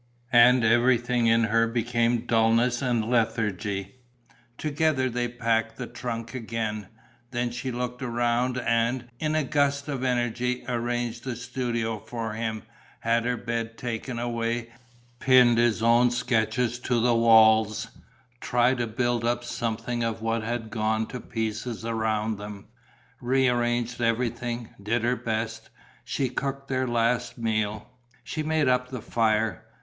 And everything in her became dulness and lethargy. Together they packed the trunk again. Then she looked round and, in a gust of energy, arranged the studio for him, had her bed taken away, pinned his own sketches to the walls, tried to build up something of what had gone to pieces around them, rearranged everything, did her best. She cooked their last meal; she made up the fire.